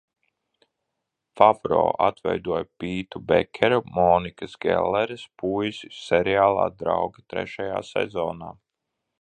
"Favro atveidoja Pītu Bekeru, Monikas Gelleres puisi, seriāla "Draugi" trešajā sezonā."